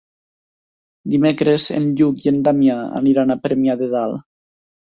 Dimecres en Lluc i en Damià aniran a Premià de Dalt.